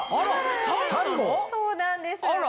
そうなんです。